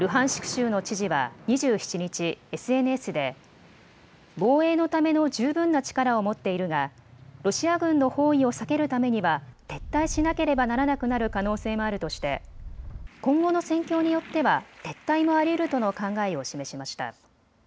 州の知事は２７日、ＳＮＳで防衛のための十分な力を持っているがロシア軍の包囲を避けるためには撤退しなければならなくなる可能性もあるとして今後の戦況によっては撤退もありうるとの考えを示しました。